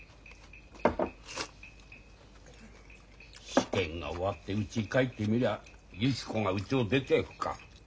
試験が終わってうち帰ってみりゃゆき子がうちを出ていくか。